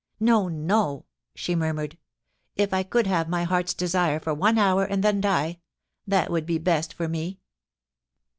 * No, no,' she murmured. * If I could have my heart's desire for one hour and then die, that would be best for me.'